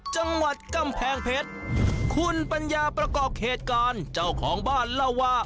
จังหวัดกำแพงเพชรคุณปัญญาประกอบเหตุการณ์เจ้าของบ้านเล่าว่า